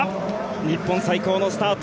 日本、最高のスタート。